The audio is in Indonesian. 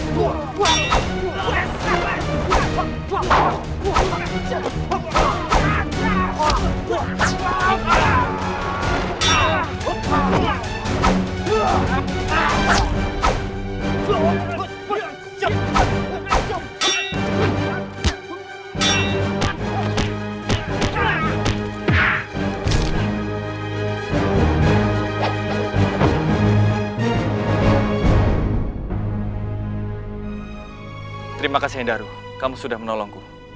terima kasih endaru kamu sudah menolongku